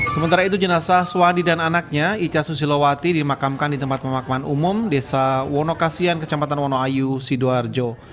sementara itu jenazah swadi dan anaknya ica susilowati dimakamkan di tempat pemakaman umum desa wonokasian kecamatan wonoayu sidoarjo